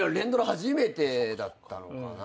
初めてだったのかな。